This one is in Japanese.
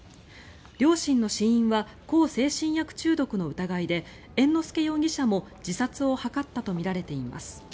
両親の死因は向精神薬中毒の疑いで猿之助容疑者も自殺を図ったとみられています。